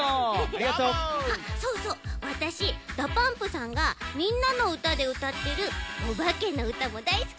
あっそうそうわたしＤＡＰＵＭＰさんが「みんなのうた」でうたってるおばけのうたもだいすきなんだち。